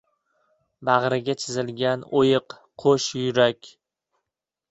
Bag‘riga chizilgan o‘yiq qo‘sh yurak